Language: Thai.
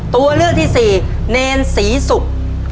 ตัวเลือกที่สี่เนรสีสุบ